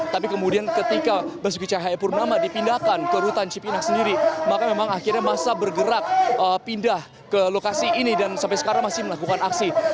tapi kemudian ketika basuki cahayapurnama dipindahkan ke rutan cipinang sendiri maka memang akhirnya masa bergerak pindah ke lokasi ini dan sampai sekarang masih melakukan aksi